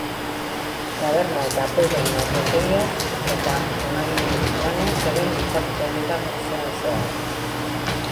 Taberna eta puben ordutegiaz eta emaginen lanaz ere mintzatuko dira goizean zehar.